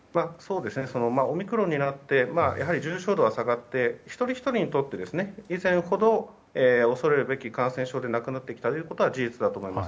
オミクロンになって重症度は下がって一人ひとりにとって以前ほど恐れるべき感染症ではなくなってきたということは事実だと思います。